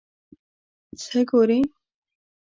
څه ګورې ؟